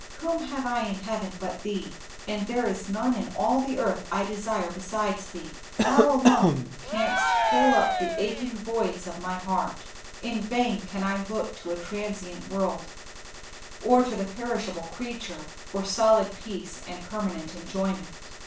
Whom have I in heaven but Thee, and there is none in all the earth I desire besides Thee. Thou alone canst fill up the aching voids of my heart. In vain can I look to a transient world, or to the perishable creature, for solid peace and permanent enjoyment.